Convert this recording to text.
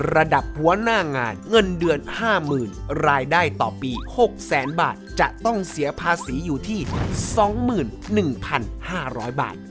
ระดับหัวหน้างานเงินเดือน๕๐๐๐รายได้ต่อปี๖แสนบาทจะต้องเสียภาษีอยู่ที่๒๑๕๐๐บาท